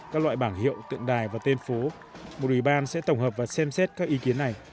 các loại bảng hiệu tượng đài và tên phố một ủy ban sẽ tổng hợp và xem xét các ý kiến này